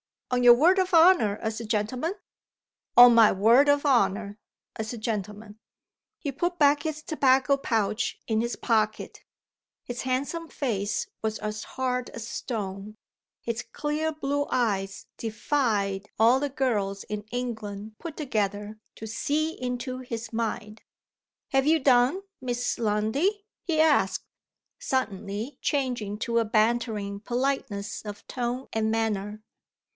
"On your word of honor, as a gentleman?" "On my word of honor, as a gentleman." He put back his tobacco pouch in his pocket. His handsome face was as hard as stone. His clear blue eyes defied all the girls in England put together to see into his mind. "Have you done, Miss Lundie?" he asked, suddenly changing to a bantering politeness of tone and manner.